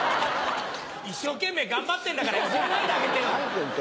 一生懸命頑張ってんだからいじめないであげてよ！